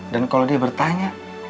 dan kalo dia bertanya